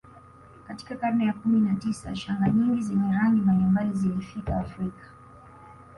Katika karne ya kumi na tisa shanga nyingi zenye rangi mbalimbali zilifika Afrika